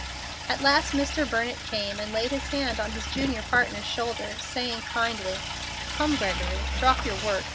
At last Mr. Burnett came and laid his hand on his junior partner's shoulder, saying, kindly, "Come, Gregory, drop your work.